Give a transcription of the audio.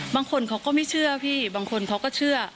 บางคนเขาก็ไม่เชื่อพี่บางคนเขาก็เชื่อ